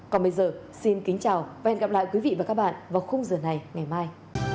còn bây giờ xin kính chào và hẹn gặp lại quý vị và các bạn vào khung giờ này ngày mai